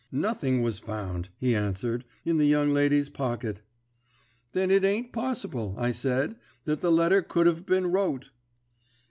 "'Nothing was found,' he answered, 'in the young lady's pocket.' "'Then it ain't possible,' I said, 'that the letter could have been wrote.'